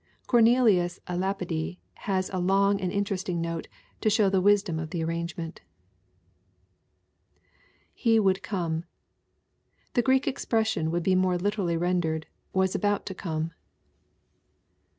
Corneliui el. Lapide has a long and interesting note, to show the wisdom of the arrangement. [He woidd come.] The Greek expression would be more lit«* rally rendered, " was about to come.